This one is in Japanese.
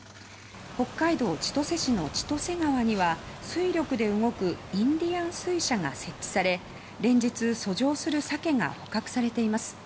北海道千歳市の千歳川には水力で動くインディアン水車が設置され連日、遡上するサケが捕獲されています。